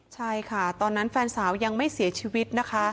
ใช่ค่ะตอนนั้นแฟนสาวยังไม่เสียชีวิตนะคะ